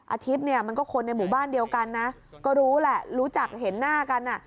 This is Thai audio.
อาทิตย์เนี่ยมันก็คนในหมู่บ้านเดียวกันนะก็รู้แหละรู้จักเห็นหน้ากันอ่ะ